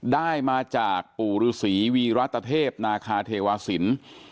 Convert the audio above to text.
ได้มาจากปู่ฤษีวีรัตเทพนาคาเทวาสิน